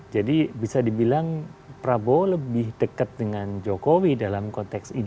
jadi bisa dibilang prabowo lebih dekat dengan jokowi dalam konteks ini